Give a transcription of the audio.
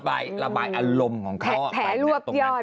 แผลรวบยอดไปเลย